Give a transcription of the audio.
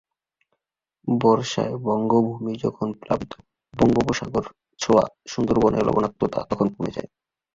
বর্ষায় বঙ্গভূমি যখন প্লাবিত, বঙ্গোপসাগর ছোঁয়া সুন্দরবনের লবণাক্ততা তখন কমে যায়।